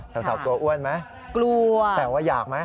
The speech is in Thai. สาวกลัวอ้วนไหมแต่อยากไหม